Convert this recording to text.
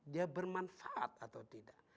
dia bermanfaat atau tidak